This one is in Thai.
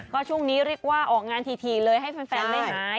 ก็ช่วงนี้เรียกว่าออกงานถี่เลยให้แฟนได้หาย